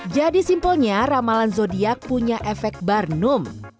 jadi simpelnya ramalan zodiac punya efek barnum